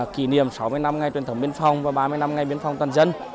kỷ niệm sáu mươi năm ngày truyền thống biên phòng và ba mươi năm ngày biên phòng toàn dân